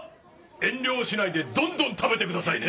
遠慮をしないでどんどん食べてくださいね！